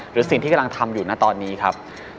หรือสิ่งที่กำลังทำอยู่นะตอนนี้ครับ